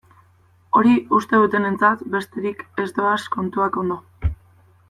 Hori uste dutenarentzat besterik ez doaz kontuak ondo.